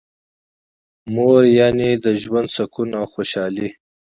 مور یعنی د ژوند سکون او خوشحالي.